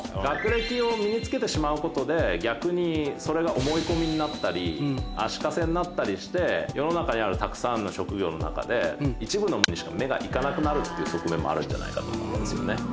学歴を身に付けてしまうことで逆にそれが思い込みになったり足かせになったりして世の中にあるたくさんの職業の中で。っていう側面もあるんじゃないかと思うんですよね。